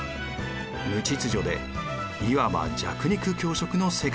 無秩序でいわば弱肉強食の世界。